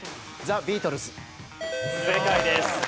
正解です。